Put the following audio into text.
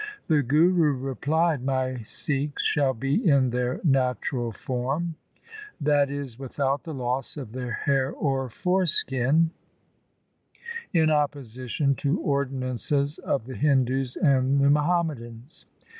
The Guru replied, ' My Sikhs shall be in their natural form, that is, without the loss of their hair or foreskin, in opposition to ordinances of the Hindus and the Muhammadans.'